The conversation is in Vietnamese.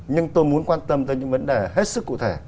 nhưng tôi muốn quan tâm tới những vấn đề hết sức cụ thể